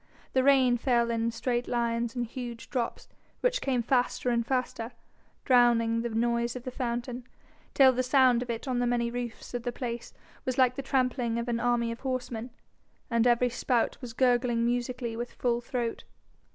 The rain fell in straight lines and huge drops, which came faster and faster, drowning the noise of the fountain, till the sound of it on the many roofs of the place was like the trampling of an army of horsemen, and every spout was gurgling musically with full throat.